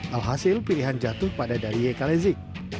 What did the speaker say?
alhasil pilihan jatuh pada dariye kalezik